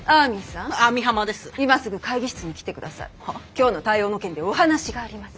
今日の対応の件でお話があります。